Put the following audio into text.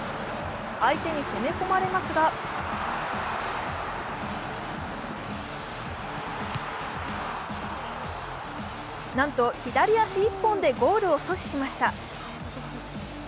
相手に攻め込まれますがなんと左足一本でゴールを阻止しました。